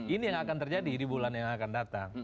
ini yang akan terjadi di bulan yang akan datang